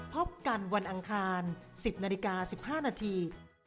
พบกันวันอังคาร๑๐นาฬิกา๑๕นาที